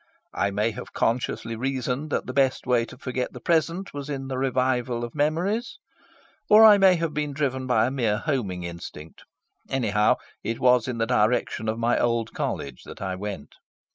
I may have consciously reasoned that the best way to forget the present was in the revival of memories. Or I may have been driven by a mere homing instinct. Anyhow, it was in the direction of my old College that I went.